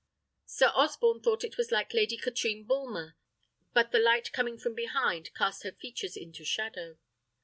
Sir Osborne thought it was like Lady Katrine Bulmer, but the light coming from behind cast her features into shadow.